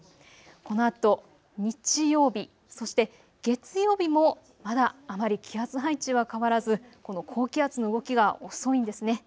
このあと日曜日、そして月曜日もまだあまり気圧配置は変わらずこの高気圧の動きが遅いんですね。